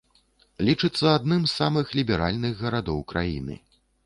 Лічыцца адным з самых ліберальных гарадоў краіны.